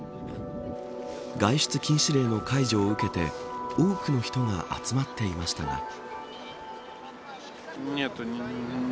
外出禁止令の解除を受けて多くの人が集まっていましたが。